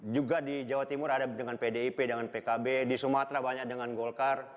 juga di jawa timur ada dengan pdip dengan pkb di sumatera banyak dengan golkar